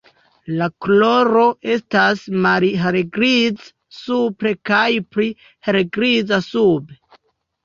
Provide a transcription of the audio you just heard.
La koloro estas malhelgriza supre kaj pli helgriza sube.